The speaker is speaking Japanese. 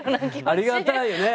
ありがたいよね。